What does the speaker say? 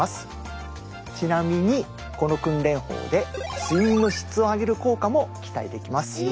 ちなみにこの訓練法で睡眠の質を上げる効果も期待できます。